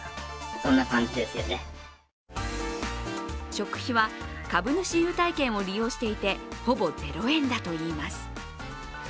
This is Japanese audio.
食費は株主優待券を利用していてほぼゼロ円だといいます。